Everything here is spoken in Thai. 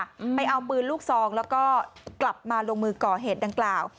อืมไปเอาปืนลูกซองแล้วก็กลับมาลงมือก่อเหตุดังกล่าว